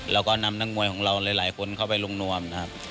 แล้วก็นำนักมวยของเราหลายคนเข้าไปลงนวมนะครับ